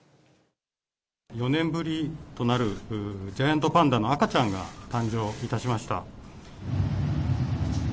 ４年ぶりとなるジャイアントパンダの赤ちゃんが誕生いたしました。